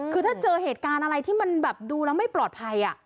คือถ้าเจอเหตุการณ์อะไรที่มันแบบดูแล้วไม่ปลอดภัย